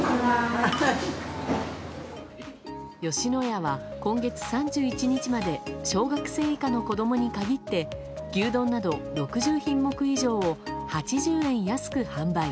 吉野家は今月３１日まで小学生以下の子供に限って牛丼など６０品目以上を８０円安く販売。